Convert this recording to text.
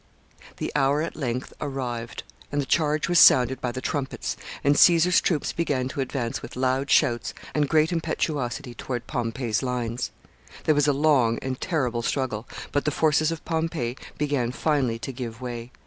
] The hour at length arrived, the charge was sounded by the trumpets, and Caesar's troops began to advance with loud shouts and great impetuosity toward Pompey's lines. There was a long and terrible struggle, but the forces of Pompey began finally to give way.